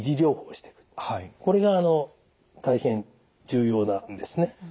これが大変重要なんですね。